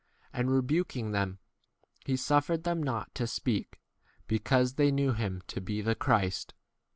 And rebuking them, he suffered them not to speak, because they knew him to be the Christ.